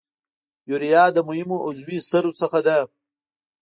یوریا له مهمو عضوي سرو څخه ده.